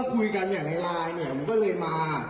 คุยกันอย่างในไลน์เนี่ยมันก็เลยมา